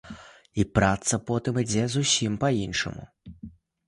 І праца потым ідзе зусім па-іншаму.